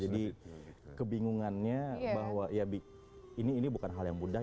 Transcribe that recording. jadi kebingungannya bahwa ya ini bukan hal yang mudah